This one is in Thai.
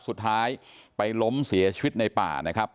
สุดท้ายไปล้มเสียชีวิตในป่านะครับ